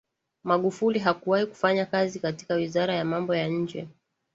Magufuli hakuwahi kufanya kazi katika wizara ya mambo ya nje